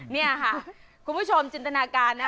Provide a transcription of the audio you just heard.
นี่ค่ะคุณผู้ชมจินตนาการนะ